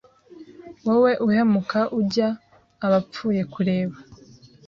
Wowe uhumeka ujya abapfuye kureba